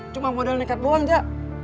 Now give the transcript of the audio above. cuma modal nekat buang aja